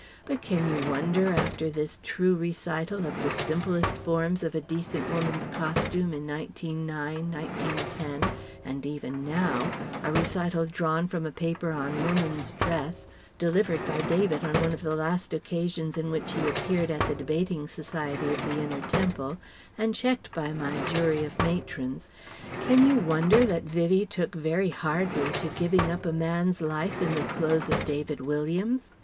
But can you wonder after this true recital of the simplest forms of a decent woman's costume in 1909 1910 and even now (a recital drawn from a paper on Woman's dress delivered by David on one of the last occasions in which he appeared at the Debating Society of the Inner Temple and checked by my jury of matrons) can you wonder that Vivie took very hardly to giving up a man's life in the clothes of David Williams?